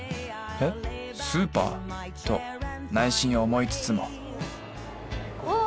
えスーパー？と内心思いつつもうわ！